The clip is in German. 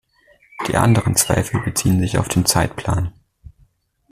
Die anderen Zweifel beziehen sich auf den Zeitplan.